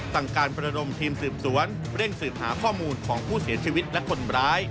สั่งการประดมทีมสืบสวนเร่งสืบหาข้อมูลของผู้เสียชีวิตและคนร้าย